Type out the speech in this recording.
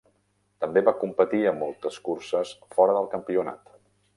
També va competir a moltes curses fora del campionat.